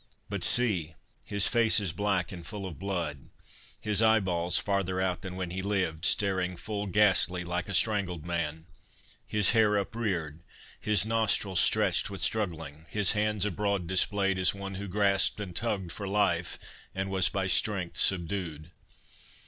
But see, his face is black, and full of blood; His eye balls farther out than when he lived, Staring full ghastly, like a strangled man; His hair uprear'd—his nostrils stretch'd with struggling, His hands abroad display'd, as one who grasp'd And tugg'd for life, and was by strength subdued.